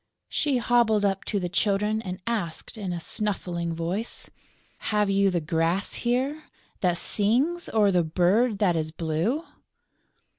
She hobbled up to the Children and asked, in a snuffling voice: "Have you the grass here that sings or the bird that is blue?"